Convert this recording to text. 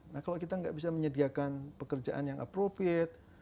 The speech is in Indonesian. nah kalau kita nggak bisa menyediakan pekerjaan yang approvate